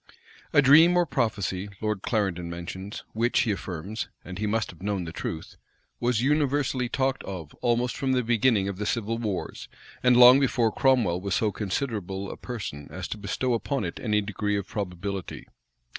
A dream or prophecy, Lord Clarendon mentions, which, he affirms, (and he must have known the truth,) was universally talked of almost from the beginning of the civil wars, and long before Cromwell was so considerable a person as to bestow upon it any degree of probability.